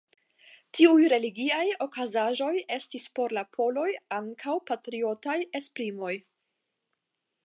Tiuj religiaj okazaĵoj estis por la poloj ankaŭ patriotaj esprimoj.